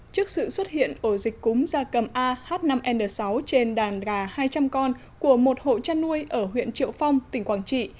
trước sự xuất hiện ổ dịch cúm da cầm ah năm n sáu trên đàn gà hai trăm linh con của một hộ chăn nuôi ở huyện triệu phong tỉnh quảng trị